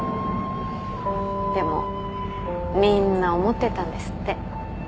でもみんな思ってたんですって。